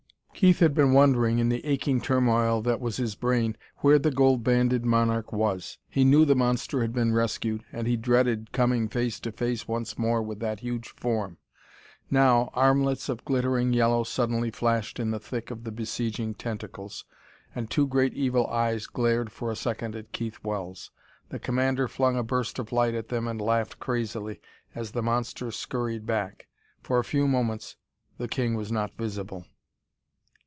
Keith had been wondering, in the aching turmoil that was his brain, where the gold banded monarch was. He knew the monster had been rescued, and he dreaded coming face to face once more with that huge form. Now, armlets of glittering yellow suddenly flashed in the thick of the besieging tentacles, and two great evil eyes glared for a second at Keith Wells. The commander flung a burst of light at them and laughed crazily as the monster scurried back. For a few moments the king was not visible.